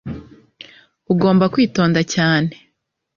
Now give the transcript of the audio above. ugomba kwitonda cyane